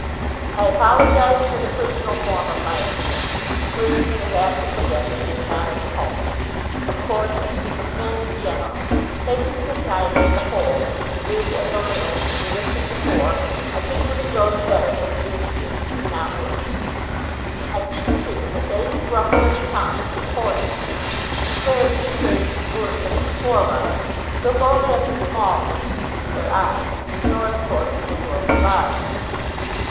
"I apologise for the personal form of my appeal. A clergyman is apt to forget that he is not in the pulpit. Of course I speak of men in general. Taking society as a whole, the big and the little, the rich and the poor, I think that it grows better from year to year, and not worse. I think, too, that they who grumble at the times, as Horace did, and declare that each age is worse than its forerunner, look only at the small things beneath their eyes, and ignore the course of the world at large."